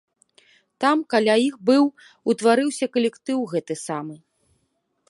Там каля іх быў утварыўся калектыў гэты самы.